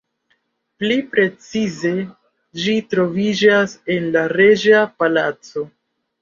Pli precize ĝi troviĝas en la reĝa palaco.